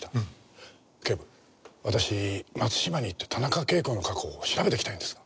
警部私松島に行って田中啓子の過去を調べてきたいんですが。